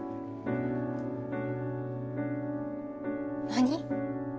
何？